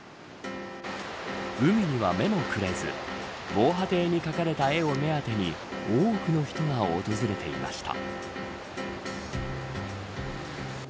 海には目もくれず防波堤に描かれた絵を目当てに多くの人が訪れていました。